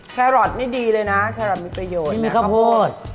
แครอทนี่ดีเลยนะแครอทมีประโยชน์มีข้าวโพด